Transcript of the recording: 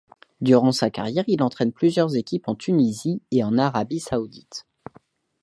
Durant sa carrière, il entraîne plusieurs équipes en Tunisie et en Arabie saoudite.